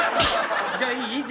じゃあいい？